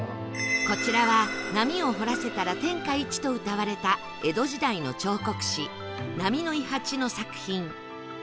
こちらは波を彫らせたら天下一とうたわれた江戸時代の彫刻師波の伊八の作品